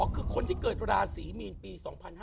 อ่อคือคนที่เกิดราศรีมีนปี๒๕๓๐